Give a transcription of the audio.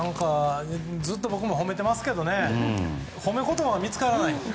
ずっと僕も褒めてますけど褒め言葉が見つからない。